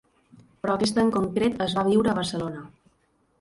Però aquesta en concret es va viure a Barcelona.